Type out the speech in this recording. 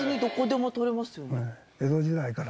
江戸時代から？